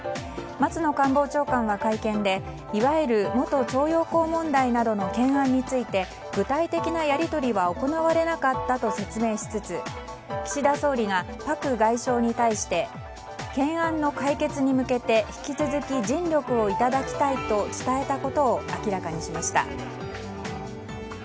松野官房長官は会見でいわゆる元徴用工問題などの懸案について具体的なやり取りは行われなかったと説明しつつ岸田総理大臣がパク外相に対して懸案の解決に向けて引き続き、尽力をいただきたいと伝えたことを明らかにしました。